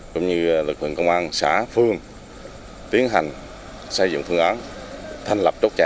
cũng như lực lượng công an xã phương tiến hành xây dựng phương án thành lập chốt chặn